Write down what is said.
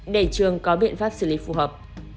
để trường có biện pháp xử lý phù hợp